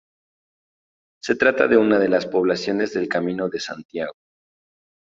Se trata de una de las poblaciones del Camino de Santiago.